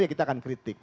ya kita akan kritik